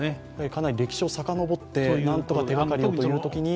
かなり歴史をさかのぼってなんとか手がかりをというときに？